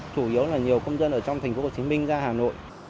chủ yếu là nhiều công dân ở trong thành phố hồ chí minh ra hà nội